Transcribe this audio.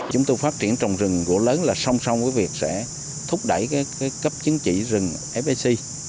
chúng tôi phát triển trồng rừng gỗ lớn là song song với việc sẽ thúc đẩy cấp chứng chỉ rừng fsc